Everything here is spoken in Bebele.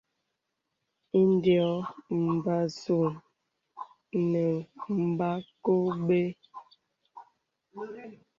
Indē ɔ̄ɔ̄. Mgbàsù nə̀ Mgbàkɔ bə.